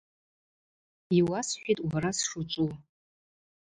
Йуасхӏвитӏ уара сшучӏву.